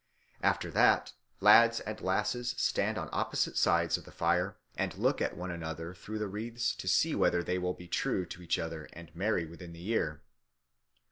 After that lads and lasses stand on opposite sides of the fire and look at one another through the wreaths to see whether they will be true to each other and marry within the year.